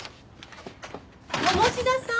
鴨志田さん